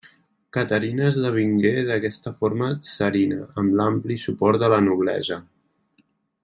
Caterina esdevingué d'aquesta forma tsarina amb l'ampli suport de la noblesa.